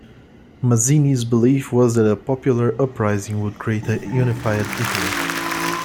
Mazzini's belief was that a popular uprising would create a unified Italy.